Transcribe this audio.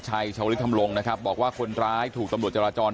วัททายชวนฮกรมนตรงบอกว่าคนร้ายถูกตรวจจรจร